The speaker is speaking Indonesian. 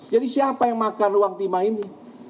jadi siapa yang makan uang timah ini